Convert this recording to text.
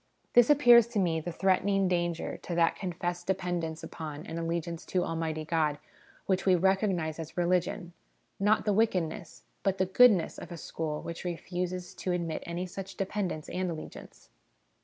This appears to me the threaten ing danger to that confessed dependence upon and allegiance to Almighty God which we recognise as religion not the wickedness, but the goodness of a school which refuses to admit any such dependence and allegiance.